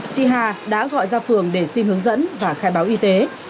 chị hà đã gọi ra phường để xin hướng dẫn và khai báo y tế